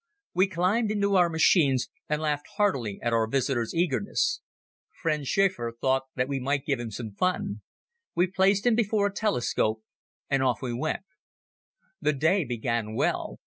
We climbed into our machines and laughed heartily at our visitor's eagerness. Friend Schäfer thought that we might give him some fun. We placed him before a telescope and off we went. The day began well.